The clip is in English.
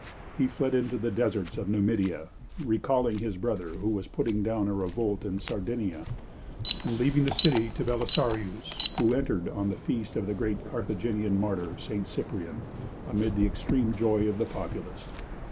He fled into the deserts of Numidia, recalling his brother who was putting down a revolt in Sardinia, and leaving the city to Belisarius, who entered on the feast of the great Carthaginian martyr, St. Cyprian, amid the extreme joy of the populace.